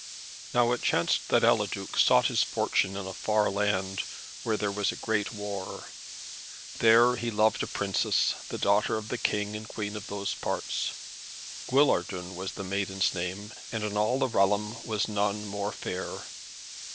Now it chanced that Eliduc sought his fortune in a far land, where there was a great war. There he loved a Princess, the daughter of the King and Queen of those parts. Guillardun was the maiden's name, and in all the realm was none more fair.